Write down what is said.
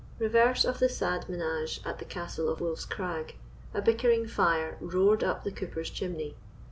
Reverse of the sad menage at the Castle of Wolf's Crag, a bickering fire roared up the cooper's chimney.